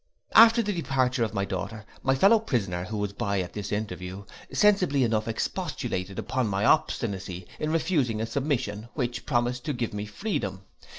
After the departure of my daughter, my fellow prisoner, who was by at this interview, sensibly enough expostulated upon my obstinacy, in refusing a submission, which promised to give me freedom.